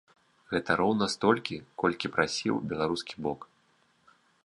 Гэта роўна столькі, колькі прасіў беларускі бок.